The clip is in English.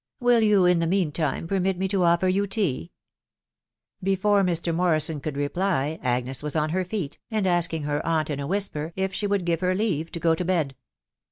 Will you, in the mean time, permit me to offer you tea ?" Before Mr. Morrison could reply Agnes was on her ftet, and asking her aunt in a whisper if she would give her leave to go to bed.